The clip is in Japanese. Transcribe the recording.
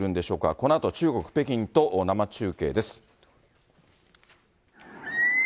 このあと中国・北京と生中継です。